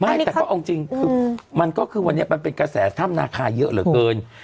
ไม่แต่ออกจริงมันก็คือวันนี้เป็นตามนาคารเยอะเหลือเกิน